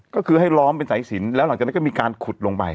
ก็คือให้ล้อมเป็นสายสินแล้วหลังจากนั้นก็มีการขุดลงไป